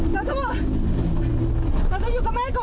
พี่แถวนี้ไม่มีเหรอ